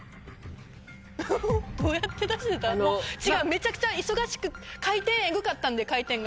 違うめちゃくちゃ忙しくて回転エグかったんで回転が。